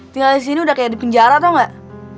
tinggal disini udah kayak di penjara tau gak